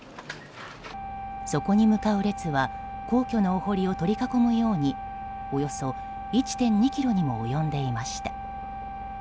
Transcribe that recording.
そこに向かう列は皇居のお濠を取り囲むようにおよそ１．２ｋｍにも及んでいました。